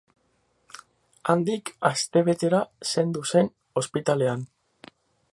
Handik astebetera zendu zen, ospitalean.